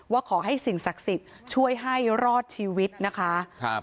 ว่าขอให้สิ่งศักดิ์สิทธิ์ช่วยให้รอดชีวิตนะคะ